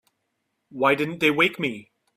Why didn't they wake me?